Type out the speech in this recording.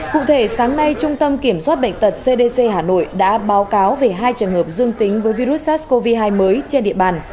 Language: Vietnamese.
cụ thể sáng nay trung tâm kiểm soát bệnh tật cdc hà nội đã báo cáo về hai trường hợp dương tính với virus sars cov hai mới trên địa bàn